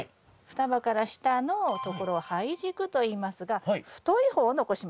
双葉から下のところを胚軸といいますが太い方を残しましょう。